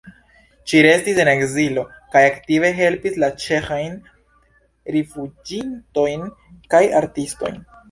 Ŝi restis en ekzilo kaj aktive helpis la ĉeĥajn rifuĝintojn kaj artistojn.